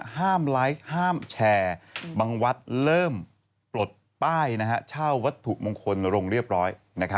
ห้ามไลฟ์ห้ามแชร์บางวัดเริ่มปลดป้ายเช่าวัตถุมงคลลงเรียบร้อย